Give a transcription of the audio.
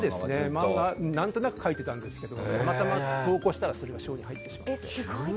漫画を何となく描いてたんですがたまたま寄稿したらそれが賞に入って。